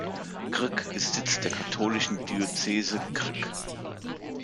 Krk ist Sitz der katholischen Diözese Krk.